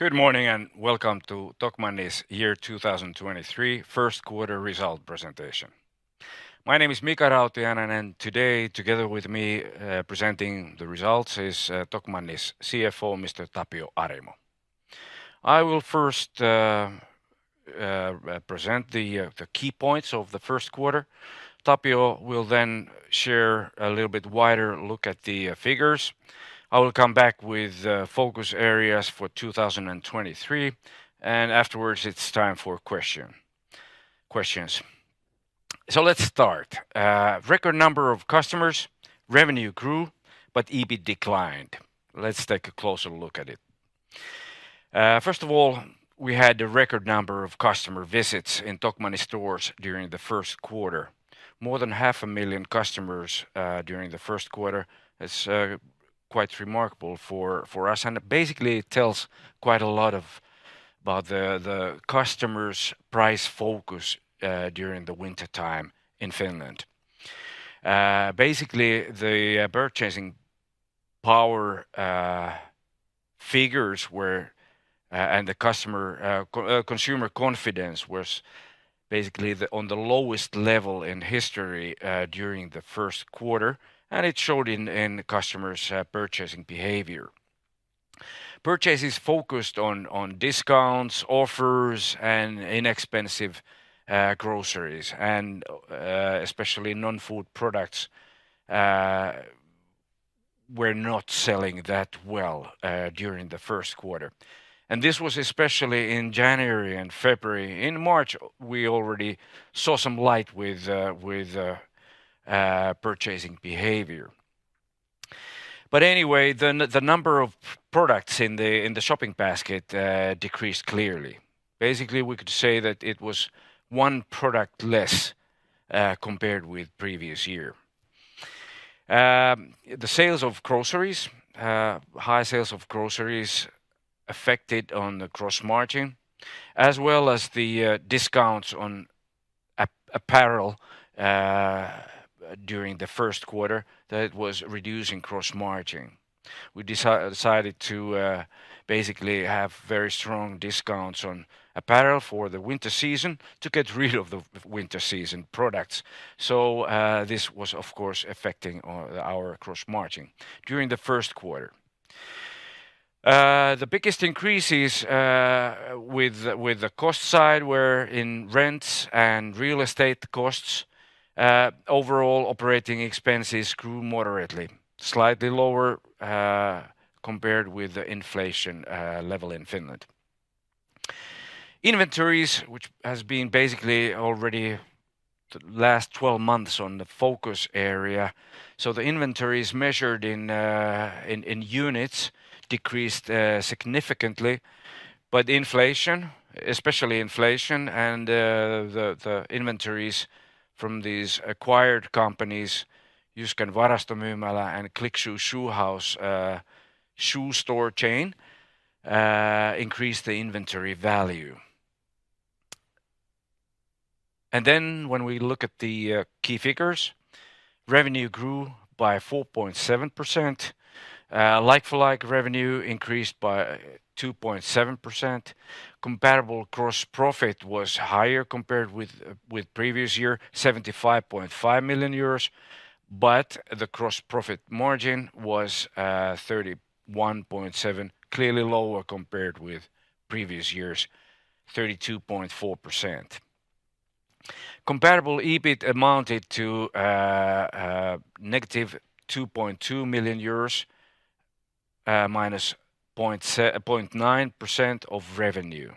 Good morning, welcome to Tokmanni's Year 2023 First Quarter Result presentation. My name is Mika Rautiainen, today together with me, presenting the results is Tokmanni's CFO, Mr. Tapio Arimo. I will first present the key points of the first quarter. Tapio will share a little bit wider look at the figures. I will come back with focus areas for 2023, afterwards it's time for questions. Let's start. Record number of customers, revenue grew, but EBIT declined. Let's take a closer look at it. First of all, we had a record number of customer visits in Tokmanni stores during the first quarter. More than half a million customers during the first quarter is quite remarkable for us, and basically it tells quite a lot of... about the customers' price focus during the wintertime in Finland. Basically, the purchasing power figures were and the consumer confidence was basically on the lowest level in history during the first quarter. It showed in the customers' purchasing behavior. Purchase is focused on discounts, offers, and inexpensive groceries. Especially non-food products were not selling that well during the first quarter. This was especially in January and February. In March, we already saw some light with purchasing behavior. Anyway, the number of products in the shopping basket decreased clearly. Basically, we could say that it was one product less compared with previous year. The sales of groceries, high sales of groceries affected on the gross margin, as well as the discounts on apparel, during the first quarter that was reducing gross margin. We decided to basically have very strong discounts on apparel for the winter season to get rid of the winter season products. This was of course affecting our gross margin during the first quarter. The biggest increases with the cost side were in rent and real estate costs. Overall operating expenses grew moderately, slightly lower, compared with the inflation level in Finland. Inventories, which has been basically already the last 12 months on the focus area. The inventories measured in units decreased significantly, inflation, especially inflation and the inventories from these acquired companies, Jyskän Varastomyymälä and Click Shoes and Shoe House, shoe store chain, increased the inventory value. When we look at the key figures, revenue grew by 4.7%. Like-for-like revenue increased by 2.7%. Comparable gross profit was higher compared with previous year, 75.5 million euros, the gross profit margin was 31.7%, clearly lower compared with previous year's 32.4%. Comparable EBIT amounted to negative 2.2 million euros, minus 0.9% of revenue.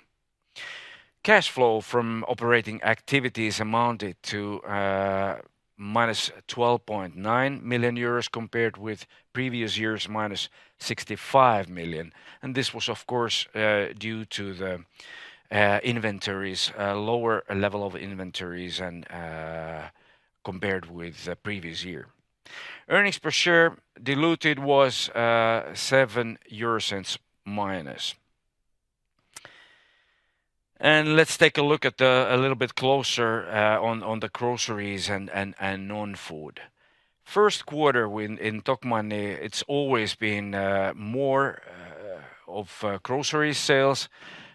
Cash flow from operating activities amounted to minus 12.9 million euros compared with previous year's minus 65 million. This was of course due to the lower level of inventories compared with the previous year. Earnings per share diluted was minus EUR 0.07. Let's take a look at a little bit closer on the groceries and non-food. First quarter in Tokmanni, it's always been more of grocery sales.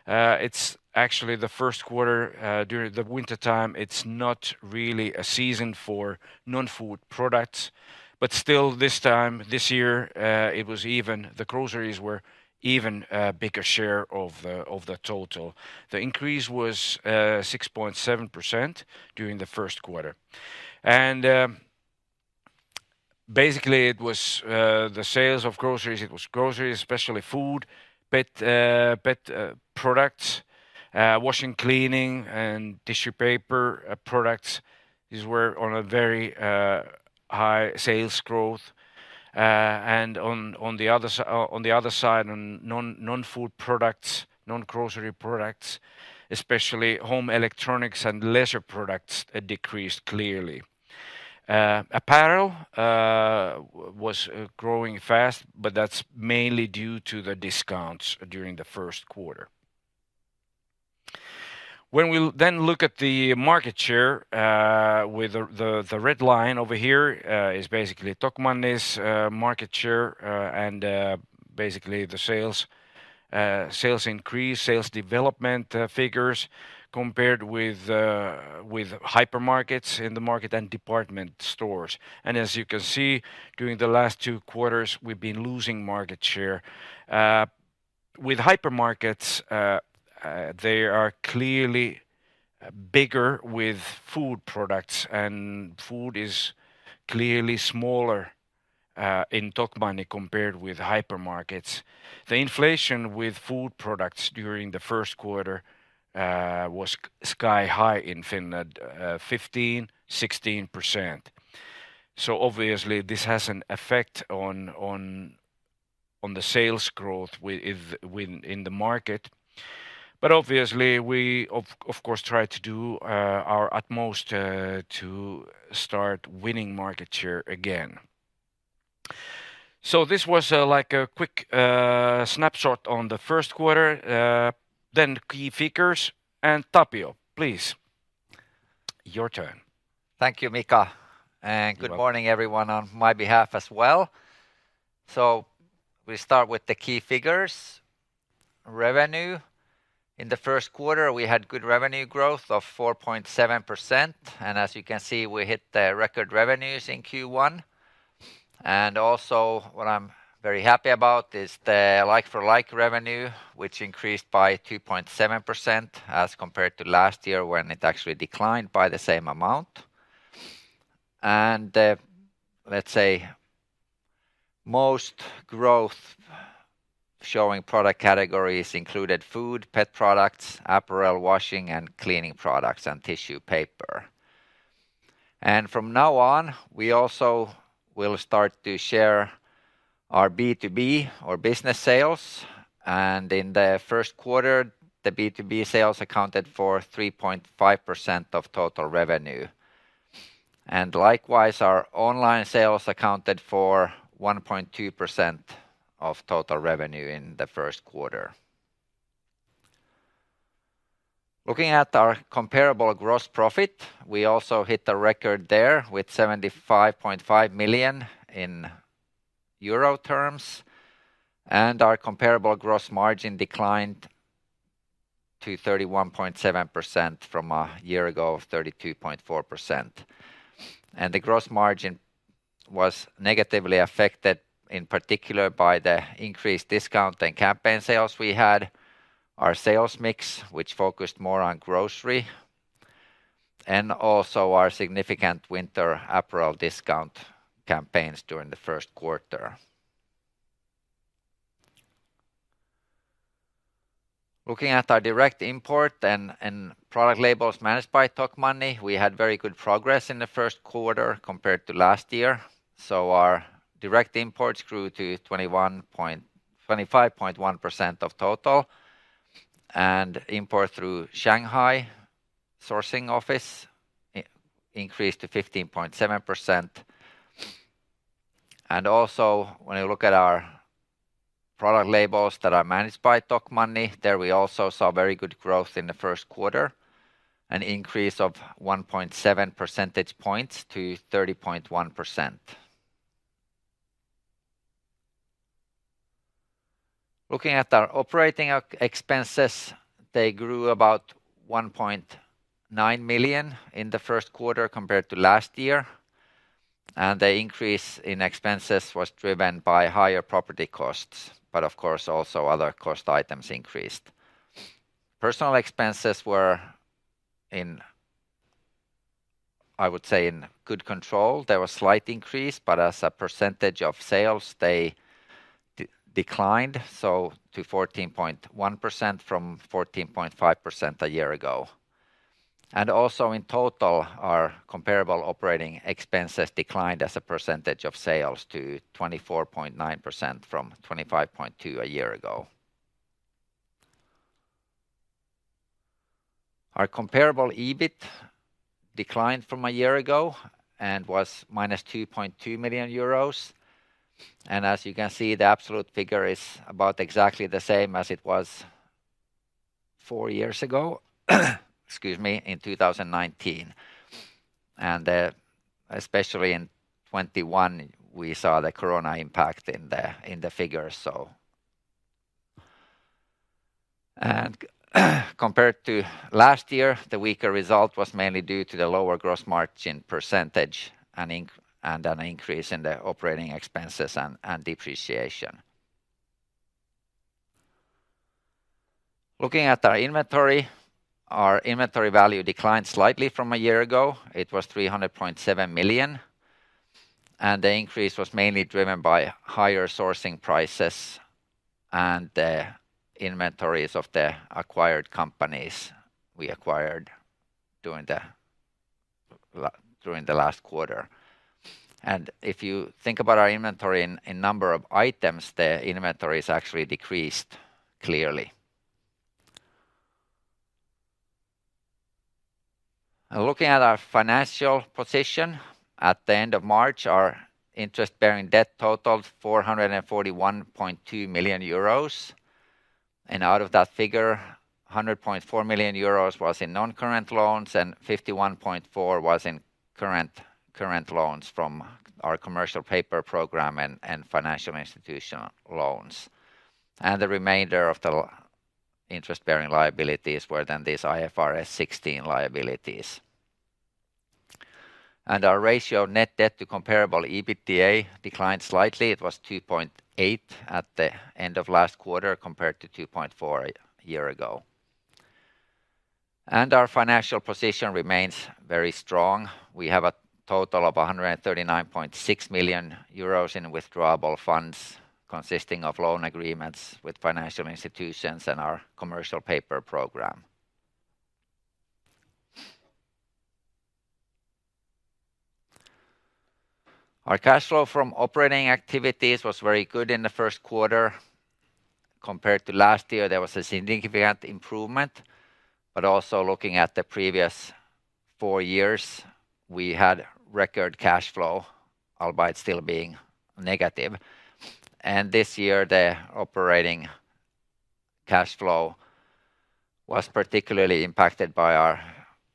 It's actually the first quarter during the wintertime. It's not really a season for non-food products. Still this time, this year, the groceries were even a bigger share of the total. The increase was 6.7% during the first quarter. Basically, it was the sales of groceries, especially food, pet products, washing, cleaning, and tissue paper products. These were on a very high sales growth. On the other side, on non-food products, non-grocery products, especially home electronics and leisure products decreased clearly. Apparel was growing fast, but that's mainly due to the discounts during the first quarter. When we'll then look at the market share, with the red line over here, is basically Tokmanni's market share, and basically the sales sales increase, sales development figures compared with hypermarkets in the market and department stores. As you can see, during the last two quarters, we've been losing market share. With hypermarkets, they are clearly bigger with food products, and food is clearly smaller in Tokmanni compared with hypermarkets. The inflation with food products during the first quarter was sky high in Finland, 15%-16%. Obviously this has an effect on the sales growth in the market. Obviously we of course try to do our utmost to start winning market share again. This was like a quick snapshot on the first quarter, then key figures, and Tapio, please. Your turn. Thank you, Mika. You're welcome. Good morning everyone on my behalf as well. We start with the key figures. Revenue. In the first quarter, we had good revenue growth of 4.7%. As you can see, we hit the record revenues in Q1. Also what I'm very happy about is the like-for-like revenue, which increased by 2.7% as compared to last year when it actually declined by the same amount. Let's say most growth showing product categories included food, pet products, apparel, washing and cleaning products, and tissue paper. From now on, we also will start to share our B2B or business sales. In the first quarter, the B2B sales accounted for 3.5% of total revenue. Likewise, our online sales accounted for 1.2% of total revenue in the first quarter. Looking at our comparable gross profit, we also hit a record there with 75.5 million euro. Our comparable gross margin declined to 31.7% from a year ago of 32.4%. The gross margin was negatively affected, in particular by the increased discount and campaign sales we had, our sales mix, which focused more on grocery, and also our significant winter apparel discount campaigns during the Q1. Looking at our direct import and product labels managed by Tokmanni, we had very good progress in the Q1 compared to last year. Our direct imports grew to 25.1% of total, and import through Shanghai sourcing office increased to 15.7%. When you look at our product labels that are managed by Tokmanni, there we also saw very good growth in the first quarter, an increase of 1.7 percentage points to 30.1%. Looking at our operating expenses, they grew about 1.9 million in the first quarter compared to last year. The increase in expenses was driven by higher property costs, but of course also other cost items increased. Personnel expenses were in, I would say, in good control. There was slight increase, but as a percentage of sales, they declined, so to 14.1% from 14.5% a year ago. In total, our comparable operating expenses declined as a percentage of sales to 24.9% from 25.2% a year ago. Our comparable EBIT declined from a year ago and was minus 2.2 million euros. As you can see, the absolute figure is about exactly the same as it was four years ago, excuse me, in 2019. Especially in 2021, we saw the corona impact in the figures. Compared to last year, the weaker result was mainly due to the lower gross margin % and an increase in the operating expenses and depreciation. Looking at our inventory, our inventory value declined slightly from a year ago. It was 300.7 million, the increase was mainly driven by higher sourcing prices and the inventories of the acquired companies we acquired during the last quarter. If you think about our inventory in number of items, the inventories actually decreased clearly. Looking at our financial position, at the end of March, our interest-bearing debt totaled 441.2 million euros. Out of that figure, 100.4 million euros was in non-current loans, and 51.4 million was in current loans from our commercial paper program and financial institutional loans. The remainder of the interest-bearing liabilities were then these IFRS 16 liabilities. Our ratio of net debt to comparable EBITDA declined slightly. It was 2.8 at the end of last quarter, compared to 2.4 a year ago. Our financial position remains very strong. We have a total of 139.6 million euros in withdrawable funds consisting of loan agreements with financial institutions and our commercial paper program. Our cash flow from operating activities was very good in the first quarter. Compared to last year, there was a significant improvement. Also looking at the previous four years, we had record cash flow, albeit still being negative. This year, the operating cash flow was particularly impacted by our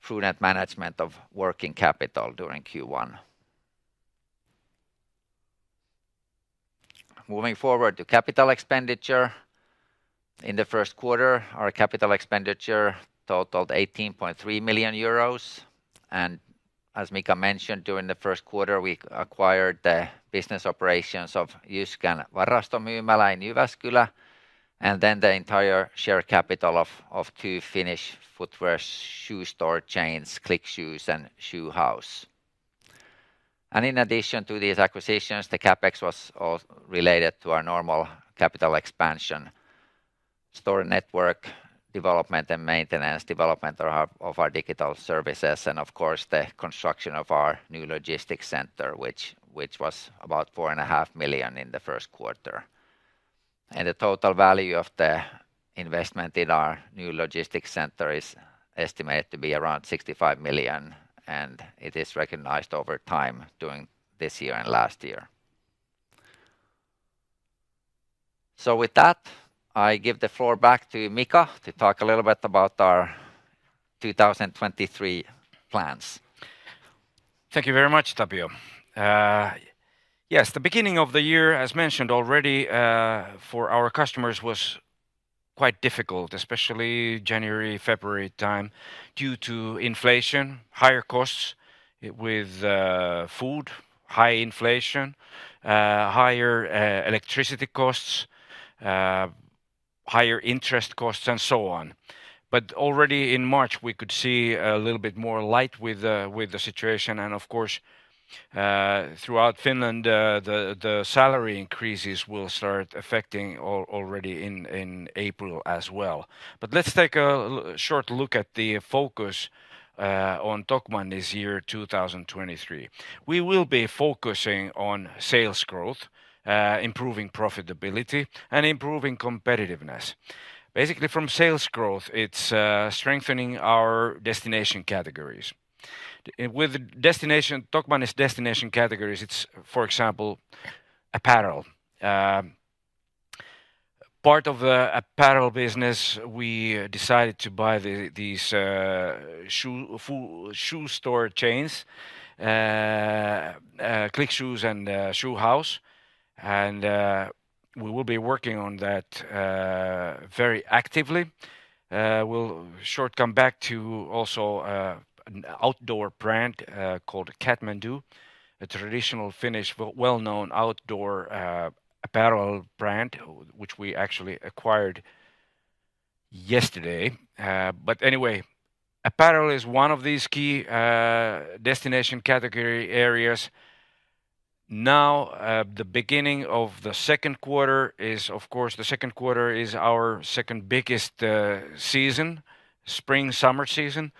prudent management of working capital during Q1. Moving forward to capital expenditure. In the first quarter, our capital expenditure totaled 18.3 million euros. As Mika mentioned, during the first quarter, we acquired the business operations of Jyskän Varastomyymälä in Jyväskylä, then the entire share capital of two Finnish footwear shoe store chains, Click Shoes and Shoe House. In addition to these acquisitions, the CapEx was related to our normal capital expansion, store network development and maintenance, development of our digital services, and of course, the construction of our new logistics center, which was about four and a half million in the first quarter. The total value of the investment in our new logistics center is estimated to be around 65 million, and it is recognized over time during this year and last year. With that, I give the floor back to Mika to talk a little bit about our 2023 plans. Thank you very much, Tapio. Yes, the beginning of the year, as mentioned already, for our customers was quite difficult, especially January, February time, due to inflation, higher costs with food, high inflation, higher electricity costs, higher interest costs, and so on. Already in March, we could see a little bit more light with the situation. Of course, throughout Finland, the salary increases will start affecting already in April as well. Let's take a short look at the focus on Tokmanni's year 2023. We will be focusing on sales growth, improving profitability, and improving competitiveness. Basically, from sales growth, it's strengthening our destination categories. With destination, Tokmanni's destination categories, it's, for example, Apparel. Part of the Apparel business, we decided to buy these shoe store chains, Click Shoes and Shoe House. We will be working on that very actively. We'll short come back to also an outdoor brand called Catmandoo, a traditional Finnish well-known outdoor apparel brand, which we actually acquired yesterday. But anyway, Apparel is one of these key destination category areas. Now, the beginning of the second quarter is, of course, our second biggest season, spring/summer season.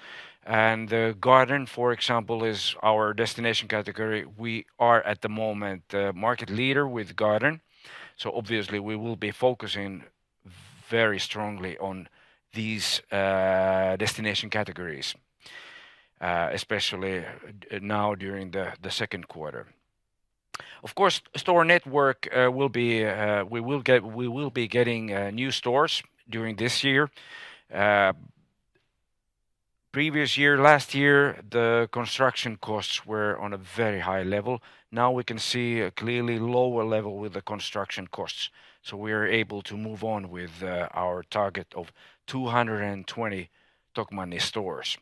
Garden, for example, is our destination category. We are, at the moment, the market leader with Garden. Obviously we will be focusing very strongly on these destination categories, especially now during the second quarter. Of course, store network will be, we will be getting new stores during this year. Previous year, last year, the construction costs were on a very high level. Now we can see a clearly lower level with the construction costs, so we're able to move on with our target of 220 Tokmanni stores.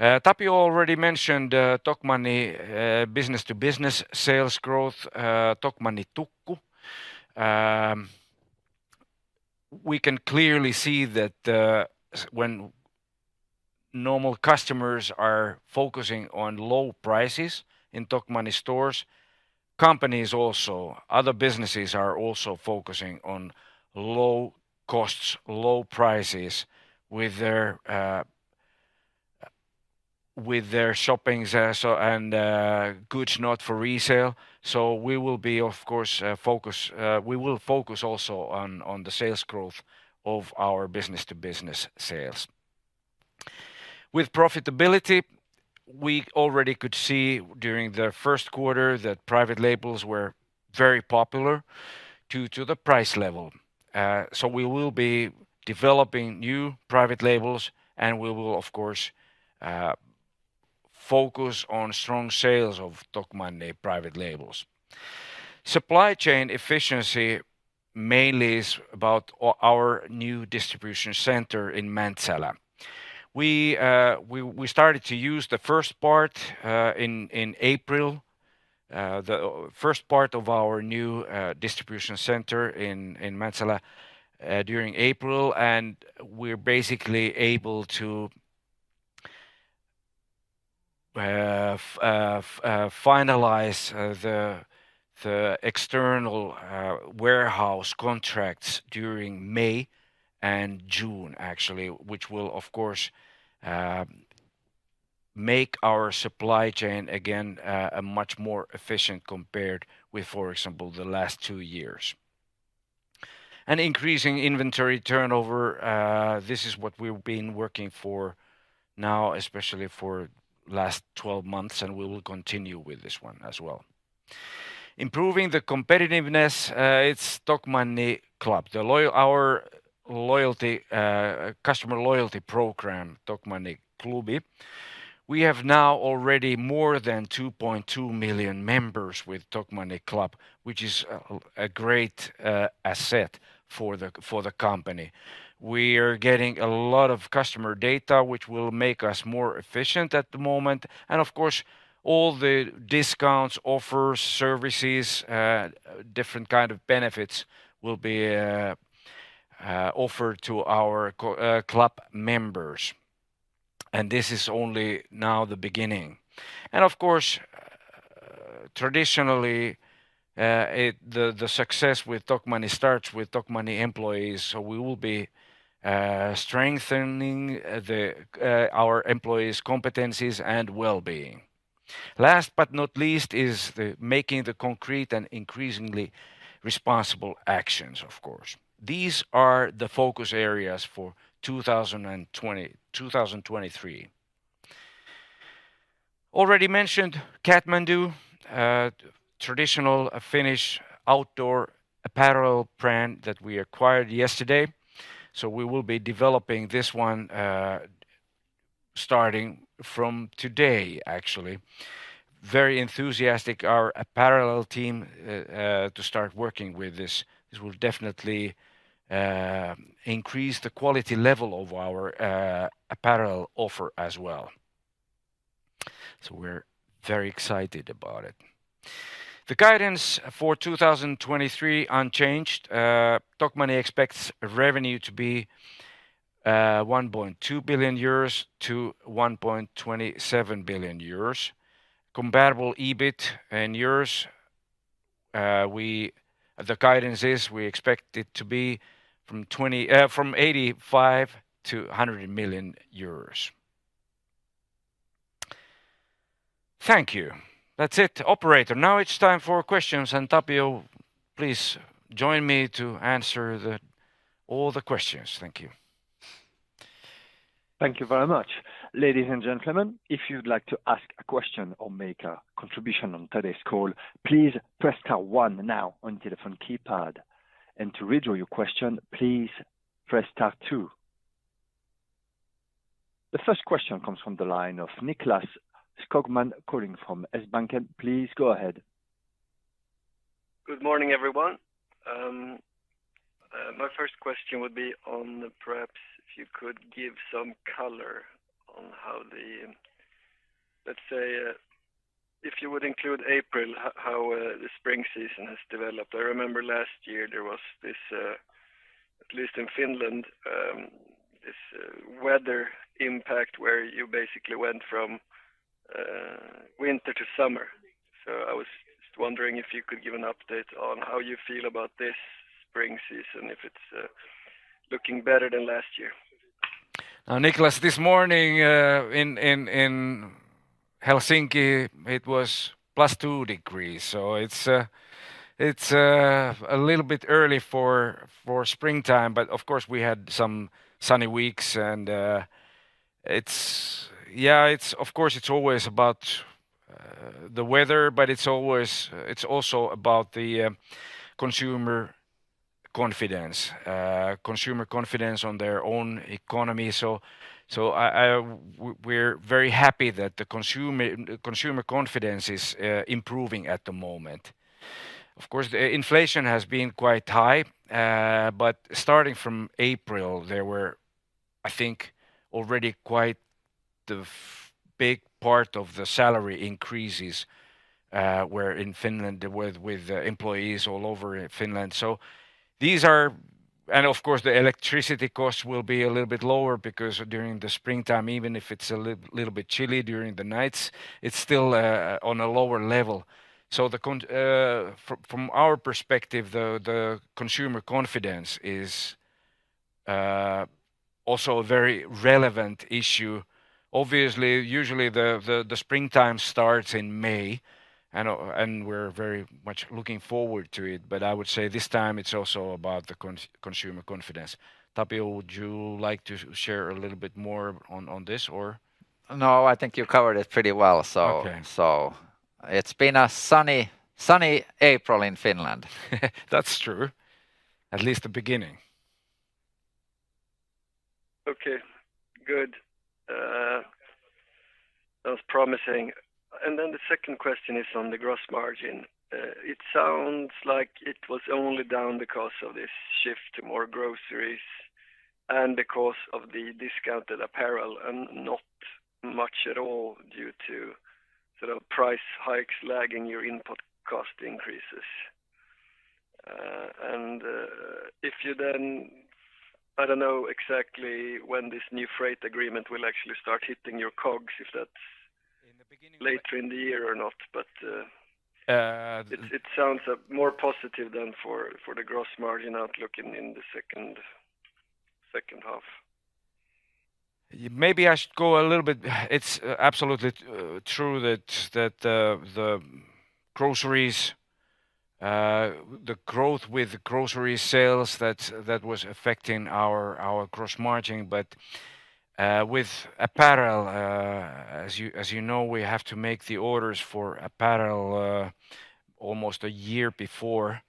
Tapio already mentioned Tokmanni business-to-business sales growth, Tokmanni Tukku. We can clearly see that when normal customers are focusing on low prices in Tokmanni stores, companies also, other businesses are also focusing on low costs, low prices with their with their shoppings, so and goods not for resale. We will, of course, focus also on the sales growth of our B2B sales. With profitability, we already could see during Q1 that private labels were very popular due to the price level. We will be developing new private labels, and we will, of course, focus on strong sales of Tokmanni private labels. Supply chain efficiency mainly is about our new distribution center in Mäntsälä. We started to use the first part in April. The first part of our new distribution center in Mäntsälä during April, we're basically able to finalize the external warehouse contracts during May and June actually, which will, of course, make our supply chain again a much more efficient compared with, for example, the last 2 years. Increasing inventory turnover, this is what we've been working for now, especially for last 12 months, we will continue with this one as well. Improving the competitiveness, it's Tokmanni Klubi. Our loyalty customer loyalty program, Tokmanni Klubi. We have now already more than 2.2 million members with Tokmanni Klubi, which is a great asset for the company. We're getting a lot of customer data, which will make us more efficient at the moment. Of course, all the discounts, offers, services, different kind of benefits will be offered to our club members. This is only now the beginning. Of course, traditionally, the success with Tokmanni starts with Tokmanni employees. We will be strengthening our employees' competencies and well-being. Last but not least is the making the concrete and increasingly responsible actions, of course. These are the focus areas for 2020, 2023. Already mentioned Catmandoo, traditional Finnish outdoor apparel brand that we acquired yesterday. We will be developing this one, starting from today actually. Very enthusiastic, our Apparel team, to start working with this. This will definitely increase the quality level of our apparel offer as well. We're very excited about it. The guidance for 2023 unchanged. Tokmanni expects revenue to be 1.2 billion-1.27 billion euros. Compatible EBIT and euros, the guidance is we expect it to be from 85 million-100 million euros. Thank you. That's it. Operator, now it's time for questions, and Tapio, please join me to answer all the questions. Thank you. Thank you very much. Ladies and gentlemen, if you'd like to ask a question or make a contribution on today's call, please press star one now on your telephone keypad. To withdraw your question, please press star two. The first question comes from the line of Nicklas Skogman calling from S Banken. Please go ahead. Good morning, everyone. My first question would be on perhaps if you could give some color on Let's say, if you would include April, how the spring season has developed. I remember last year there was this, at least in Finland, this weather impact where you basically went from winter to summer. I was just wondering if you could give an update on how you feel about this spring season, if it's looking better than last year? Nicklas, this morning, in Helsinki, it was +2 degrees, it's a little bit early for springtime. Of course, we had some sunny weeks and it's. Yeah, it's. Of course, it's always about the weather, but it's always, it's also about the consumer confidence. Consumer confidence on their own economy. I. We're very happy that consumer confidence is improving at the moment. Of course, the inflation has been quite high. Starting from April, there were, I think, already quite the big part of the salary increases were in Finland with employees all over Finland. These are... Of course, the electricity cost will be a little bit lower because during the springtime, even if it's a little bit chilly during the nights, it's still on a lower level. From our perspective, the consumer confidence is also a very relevant issue. Obviously, usually the springtime starts in May and we're very much looking forward to it. I would say this time it's also about the consumer confidence. Tapio Arimo, would you like to share a little bit more on this, or? No, I think you covered it pretty well, so. Okay. It's been a sunny April in Finland. That's true. At least the beginning. Okay. Good. That was promising. The second question is on the gross margin. It sounds like it was only down because of this shift to more groceries and because of the discounted apparel and not much at all due to sort of price hikes lagging your input cost increases. I don't know exactly when this new freight agreement will actually start hitting your COGS. In the beginning. Later in the year or not. Uh- It sounds more positive than for the gross margin outlook in the second half. Maybe I should go a little bit. It's absolutely true that the groceries, the growth with grocery sales that was affecting our gross margin. With Apparel, as you know, we have to make the orders for apparel almost a year before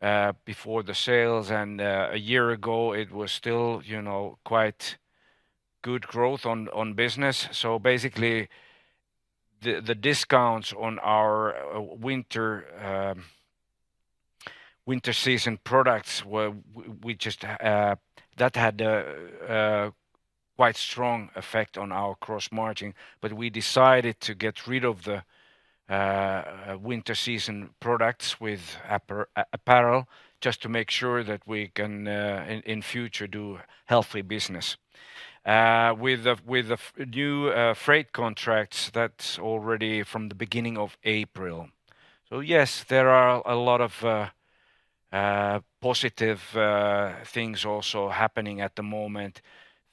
the sales. A year ago, it was still, you know, quite good growth on business. Basically the discounts on our winter season products. That had a quite strong effect on our gross margin. We decided to get rid of the winter season products with Apparel just to make sure that we can in future do healthy business. With the new freight contracts, that's already from the beginning of April. Yes, there are a lot of positive things also happening at the moment.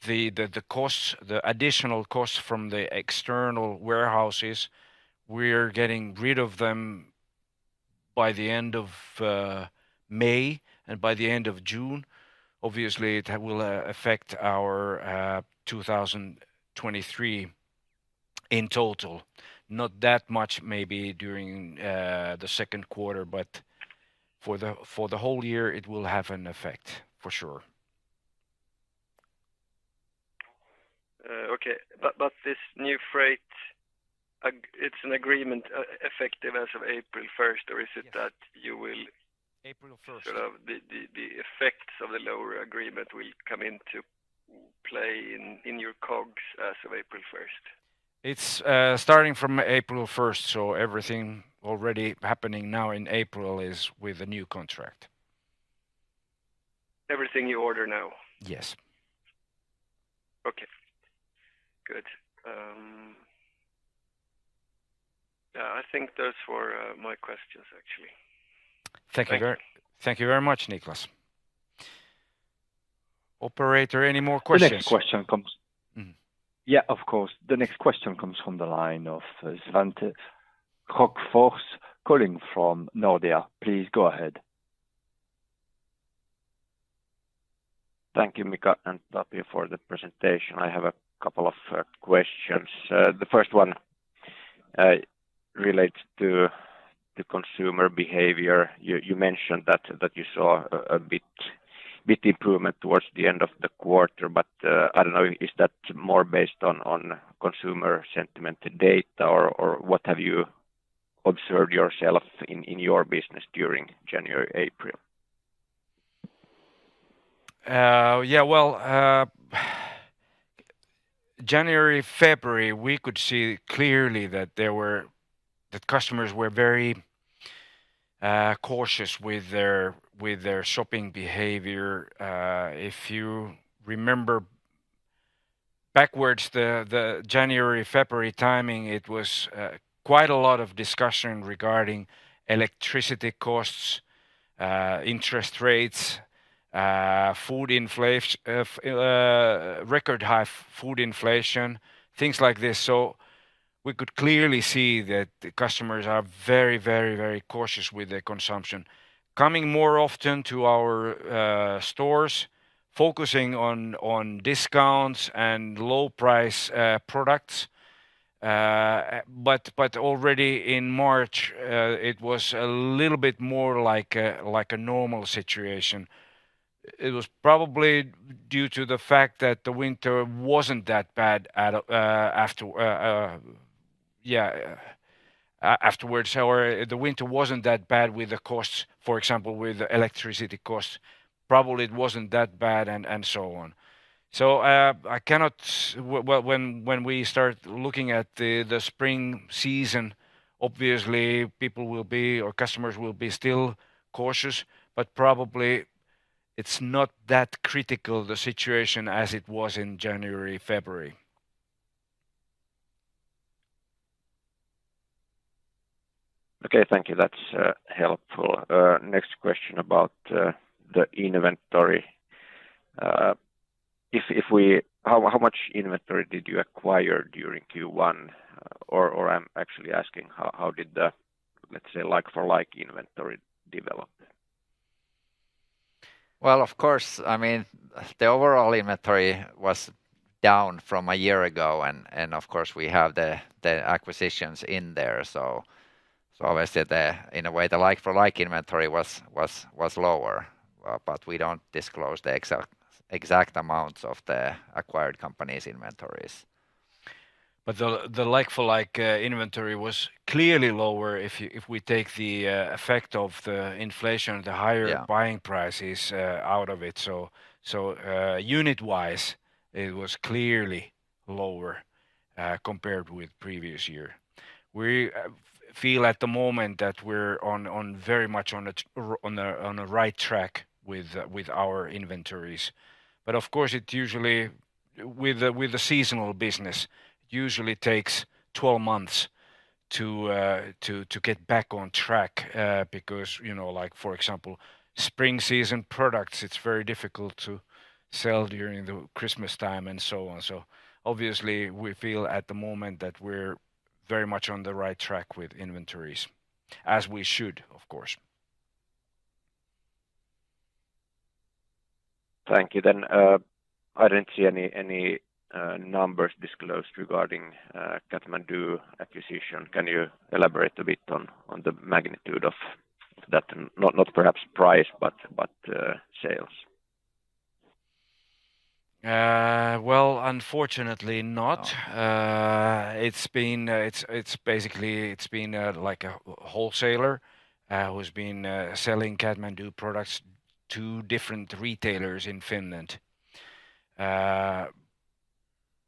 The costs, the additional costs from the external warehouses, we're getting rid of them by the end of May and by the end of June. Obviously, it will affect our 2023 in total. Not that much maybe during the second quarter, but for the whole year it will have an effect for sure. Okay. This new freight it's an agreement effective as of April 1st or is it that you will? April first.... sort of the effects of the lower agreement will come into play in your COGS as of April first? It's, starting from April 1st, so everything already happening now in April is with the new contract. Everything you order now? Yes. Okay. Good. I think those were my questions actually. Thank you. Thank you. Thank you very much, Nicklas. Operator, any more questions? The next question comes. Mm-hmm. Yeah, of course. The next question comes from the line of Svante Krokfors calling from Nordea. Please go ahead. Thank you, Mika and Tapio for the presentation. I have a couple of questions. The first one relates to the consumer behavior. You mentioned that you saw a bit improvement towards the end of the quarter, I don't know, is that more based on consumer sentiment data or what have you observed yourself in your business during January, April? Yeah, well, January, February, we could see clearly that the customers were very cautious with their shopping behavior. If you remember backwards the January, February timing, it was quite a lot of discussion regarding electricity costs, interest rates, record high food inflation, things like this. We could clearly see that the customers are very, very, very cautious with their consumption. Coming more often to our stores, focusing on discounts and low price products. Already in March, it was a little bit more like a, like a normal situation. It was probably due to the fact that the winter wasn't that bad afterwards or the winter wasn't that bad with the costs, for example, with electricity costs, probably it wasn't that bad and so on. When we start looking at the spring season, obviously people will be or customers will be still cautious, but probably it's not that critical the situation as it was in January, February. Okay. Thank you. That's helpful. Next question about the inventory. How much inventory did you acquire during Q1? Or I'm actually asking how did the, let's say, like-for-like inventory develop there? Well, of course, I mean, the overall inventory was down from a year ago. Of course we have the acquisitions in there. Obviously the, in a way, the like-for-like inventory was lower. We don't disclose the exact amounts of the acquired company's inventories. The like-for-like inventory was clearly lower if we take the effect of the inflation. Yeah ...the higher buying prices out of it. So unit-wise, it was clearly lower compared with previous year. We feel at the moment that we're on very much on a right track with our inventories. Of course it usually with a seasonal business, usually takes 12 months to get back on track because, you know, like for example, spring season products, it's very difficult to sell during the Christmas time and so on. Obviously we feel at the moment that we're very much on the right track with inventories, as we should, of course. Thank you. I didn't see any numbers disclosed regarding Catmandoo acquisition. Can you elaborate a bit on the magnitude of that? Not perhaps price, but sales. Well, unfortunately not. It's basically it's been like a wholesaler who's been selling Catmandoo products to different retailers in Finland.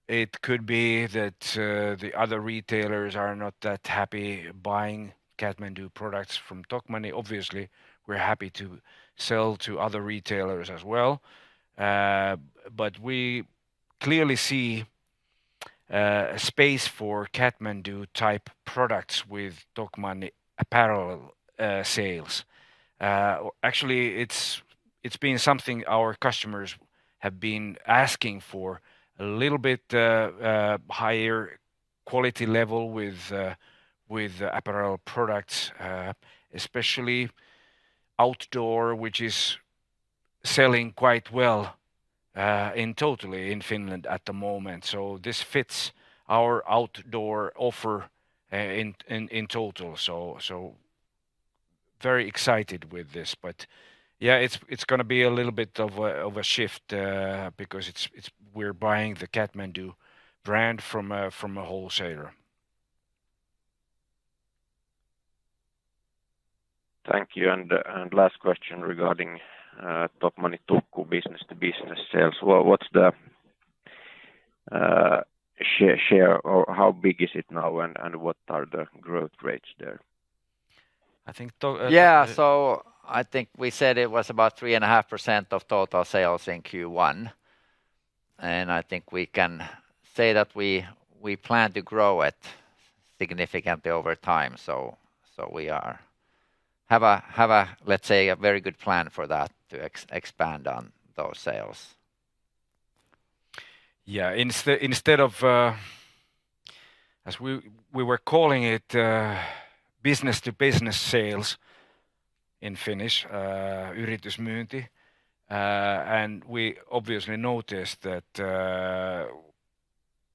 It could be that the other retailers are not that happy buying Catmandoo products from Tokmanni. Obviously, we're happy to sell to other retailers as well. We clearly see a space for Catmandoo type products with Tokmanni apparel sales. Actually, it's been something our customers have been asking for a little bit higher quality level with apparel products, especially outdoor, which is selling quite well in totally in Finland at the moment. This fits our outdoor offer in total. Very excited with this. Yeah, it's gonna be a little bit of a, of a shift, because it's we're buying the Catmandoo brand from a, from a wholesaler. Thank you. Last question regarding Tokmanni Tukku business to business sales. What's the share or how big is it now and what are the growth rates there? Yeah. I think we said it was about 3.5% of total sales in Q1. I think we can say that we plan to grow it significantly over time. We have a, let's say, a very good plan for that to expand on those sales. Yeah. Instead of, as we were calling it, business to business sales in Finnish. We obviously noticed that,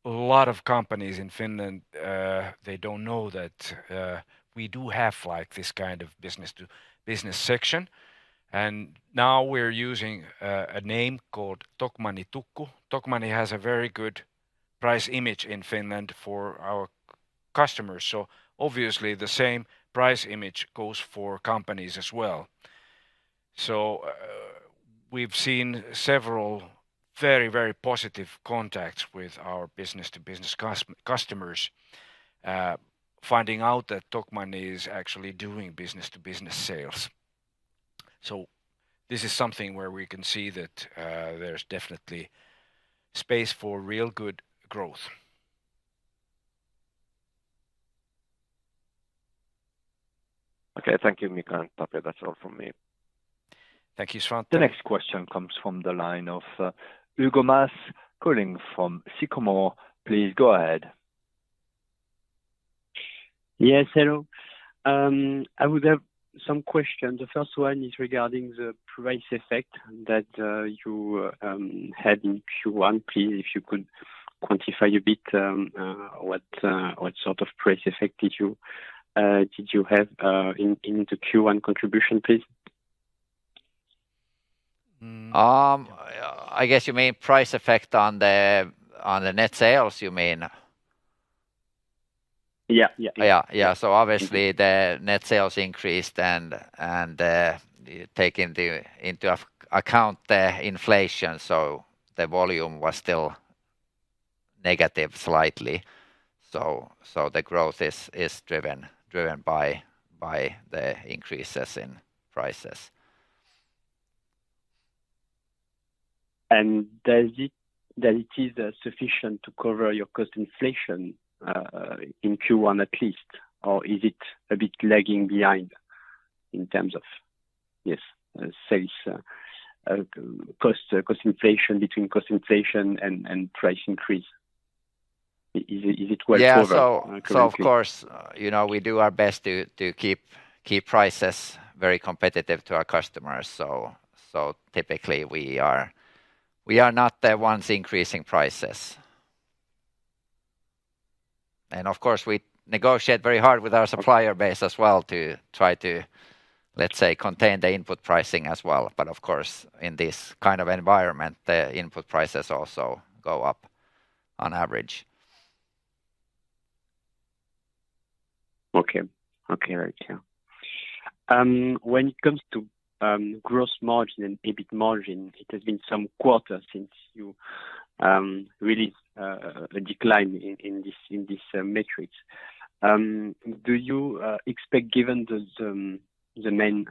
a lot of companies in Finland, they don't know that, we do have like this kind of business to business section, and now we're using, a name called Tokmanni Tukku. Tokmanni has a very good price image in Finland for our customers. Obviously, the same price image goes for companies as well. We've seen several very, very positive contacts with our business to business customers, finding out that Tokmanni is actually doing business to business sales. This is something where we can see that, there's definitely space for real good growth. Okay. Thank you, Mika and Tapio. That's all from me. Thank you, Svante. The next question comes from the line of, Hugo Mas calling from Sycomore. Please go ahead. Yes. Hello. I would have some questions. The first one is regarding the price effect that you had in Q1. Please, if you could quantify a bit, what sort of price effect did you have in the Q1 contribution, please? Um- I guess you mean price effect on the, on the net sales, you mean? Yeah, yeah. Yeah. Yeah. Obviously the net sales increased and taking into account the inflation, so the volume was still negative slightly. The growth is driven by the increases in prices. Does it, that it is sufficient to cover your cost inflation in Q1 at least? Is it a bit lagging behind in terms of, yes, sales, cost inflation between cost inflation and price increase? Is it well covered? Yeah. Of course, you know, we do our best to keep prices very competitive to our customers. Typically we are not the ones increasing prices. Of course, we negotiate very hard with our supplier base as well to try to, let's say, contain the input pricing as well. Of course, in this kind of environment, the input prices also go up on average. Okay. Okay, right. Yeah. When it comes to gross margin and EBIT margin, it has been some quarters since you really decline in this metrics. Do you expect, given the main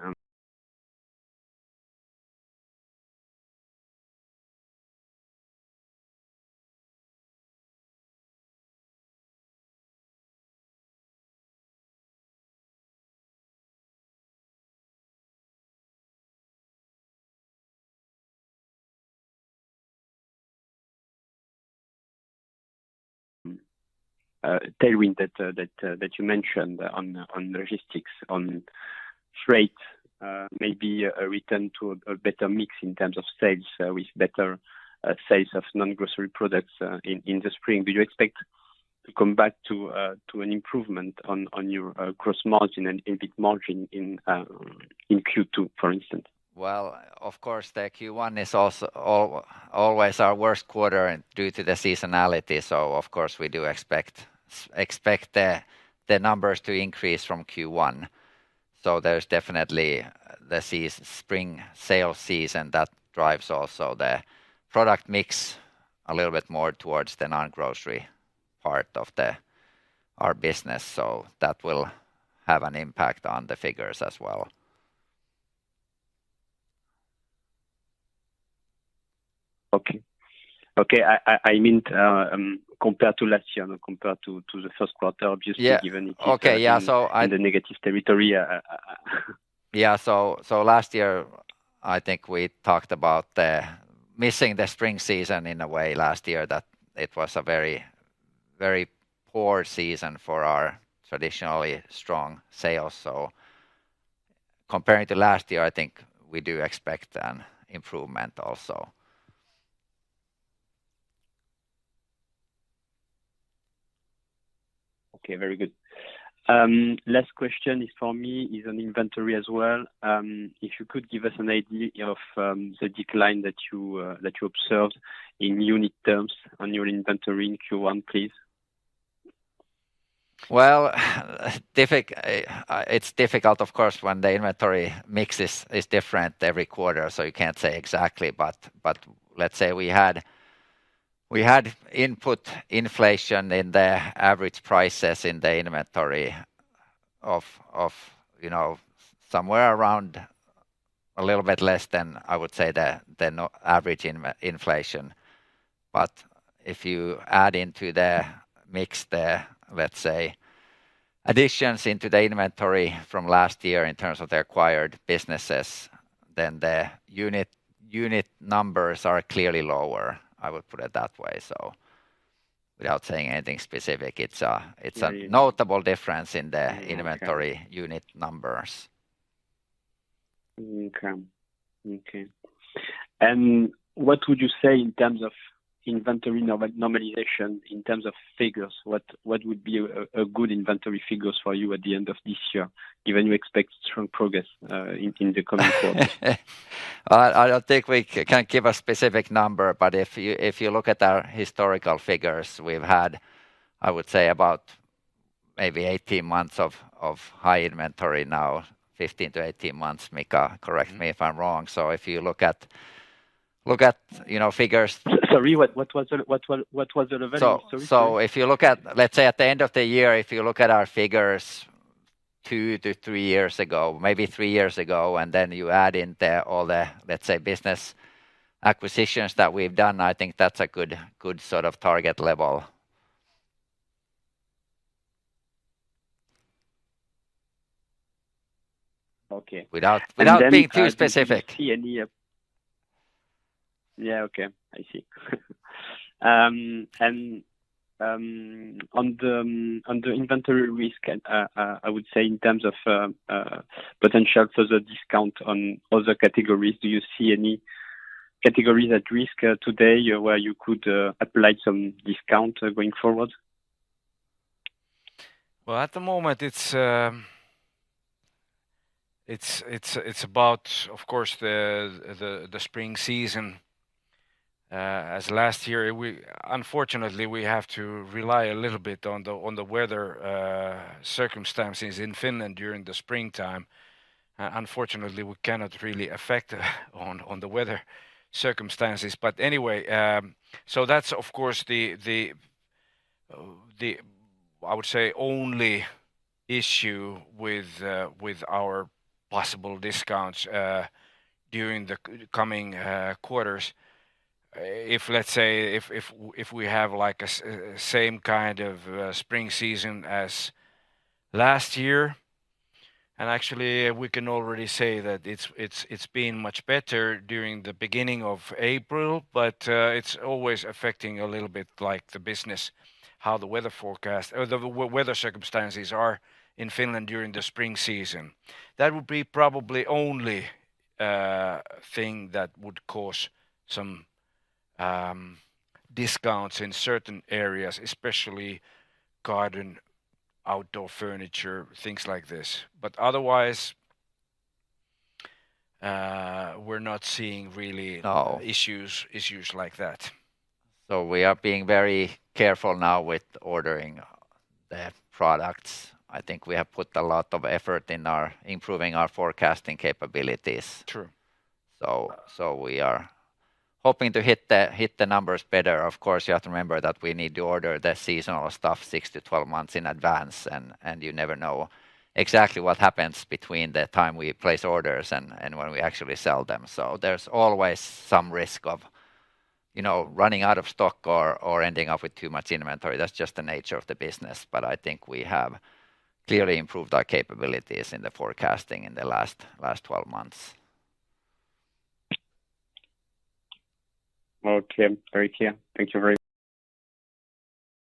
tailwind that you mentioned on logistics, on freight, maybe a return to a better mix in terms of sales, with better sales of non-grocery products in the spring, do you expect to come back to an improvement on your gross margin and EBIT margin in Q2, for instance? Well, of course, the Q1 is also always our worst quarter and due to the seasonality. Of course, we do expect the numbers to increase from Q1. There's definitely the spring sale season that drives also the product mix a little bit more towards the non-grocery part of our business. That will have an impact on the figures as well. Okay. I meant compared to last year, compared to the first quarter, obviously. Yeah. given it is Okay. Yeah. in the negative territory. I... Yeah. Last year, I think we talked about the missing the spring season in a way last year, that it was a very, very poor season for our traditionally strong sales. Comparing to last year, I think we do expect an improvement also. Okay, very good. Last question is for me is on inventory as well. If you could give us an idea of the decline that you observed in unit terms on your inventory in Q1, please. It's difficult, of course, when the inventory mix is different every quarter, so you can't say exactly. Let's say we had input inflation in the average prices in the inventory of, you know, somewhere around a little bit less than, I would say, the average inflation. If you add into the mix the, let's say, additions into the inventory from last year in terms of the acquired businesses, then the unit numbers are clearly lower, I would put it that way. Without saying anything specific, it's a notable difference in the inventory unit numbers. Okay. Okay. What would you say in terms of inventory nomination in terms of figures? What would be a good inventory figures for you at the end of this year, given you expect strong progress in the coming quarters? I don't think we can give a specific number, but if you look at our historical figures, we've had, I would say, about maybe 18 months of high inventory now, 15 to 18 months, Mika, correct me if I'm wrong. If you look at, you know, figures. Sorry, what was the level? Sorry. If you look at, let's say, at the end of the year, if you look at our figures 2-3 years ago, maybe 3 years ago, and then you add in the, all the, let's say, business acquisitions that we've done, I think that's a good sort of target level. Okay. Without being too specific. Yeah. Yeah. Yeah, okay. I see. On the inventory risk, I would say in terms of potential for the discount on other categories, do you see any categories at risk today where you could apply some discount going forward? At the moment it's about, of course, the spring season. As last year, unfortunately, we have to rely a little bit on the weather circumstances in Finland during the springtime. Unfortunately, we cannot really affect on the weather circumstances. That's of course the, I would say, only issue with our possible discounts during the coming quarters. If, let's say, if we have like a same kind of spring season as last year. Actually, we can already say that it's been much better during the beginning of April, it's always affecting a little bit like the business, how the weather forecast or the weather circumstances are in Finland during the spring season. That would be probably only thing that would cause some discounts in certain areas, especially garden, outdoor furniture, things like this. Otherwise, we're not seeing. No issues like that. We are being very careful now with ordering the products. I think we have put a lot of effort in our improving our forecasting capabilities. True. We are hoping to hit the numbers better. Of course, you have to remember that we need to order the seasonal stuff 6 to 12 months in advance, and you never know exactly what happens between the time we place orders and when we actually sell them. There's always some risk of, you know, running out of stock or ending up with too much inventory. That's just the nature of the business. I think we have clearly improved our capabilities in the forecasting in the last 12 months. Okay. Very clear. Thank you.